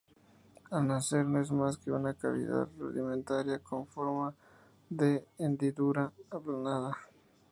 Al nacer no es más que una cavidad rudimentaria con forma de hendidura aplanada.